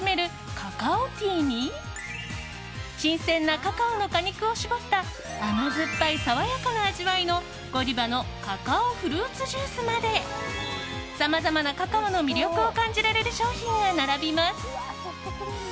カカオティーに新鮮なカカオの果肉を搾った甘酸っぱい爽やかな味わいのゴディバのカカオフルーツジュースまでさまざまなカカオの魅力を感じられる商品が並びます。